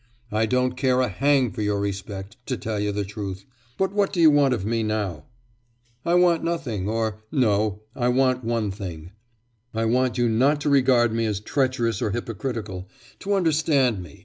I don't care a hang for your respect, to tell you the truth; but what do you want of me now?' 'I want nothing or no! I want one thing; I want you not to regard me as treacherous or hypocritical, to understand me...